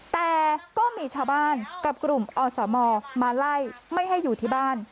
แต่ก็มีชาวบ้านกับกลุ่มอสมมาไล่ไม่ให้อยู่ที่บ้าน